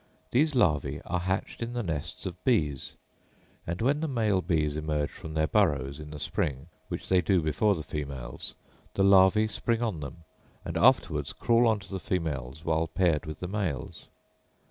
These larvæ are hatched in the nests of bees; and when the male bees emerge from their burrows, in the spring, which they do before the females, the larvæ spring on them, and afterwards crawl on to the females while paired with the males.